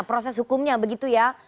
proses hukumnya begitu ya